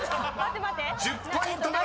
［１０ポイントです］